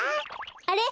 あれ？